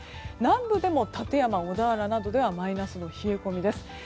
南部でも館山、小田原などではマイナスの冷え込みです。